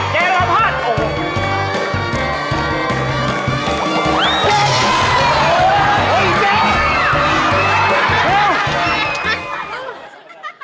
เจ๊รัมภัทร